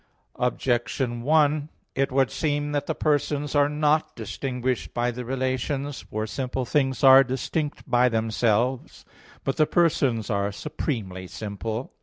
Objection 1: It would seem that the persons are not distinguished by the relations. For simple things are distinct by themselves. But the persons are supremely simple.